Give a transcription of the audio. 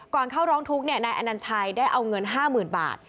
เข้าร้องทุกข์นายอนัญชัยได้เอาเงิน๕๐๐๐บาท